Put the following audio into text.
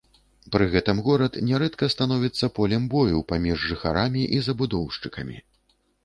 Пры гэтым горад нярэдка становіцца полем бою паміж жыхарамі і забудоўшчыкамі.